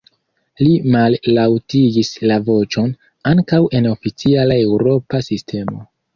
Li mallaŭtigis la voĉon: “Ankaŭ en oficiala eŭropa sistemo.